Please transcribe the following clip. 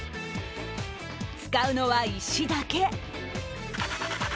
使うのは石だけ。